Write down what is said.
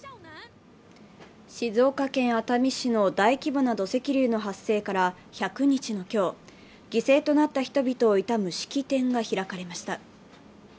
静岡県熱海市の大規模な土石流の発生から１００日の今日、犠牲となった人々を悼む式典が開かれました。